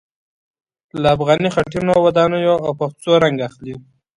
له افغاني خټينو ودانیو او پخڅو رنګ اخلي.